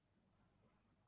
oke yang berikutnya